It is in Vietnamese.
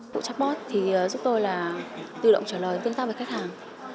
vụ chatbot giúp tôi tự động trả lời tương tắc với khách hàng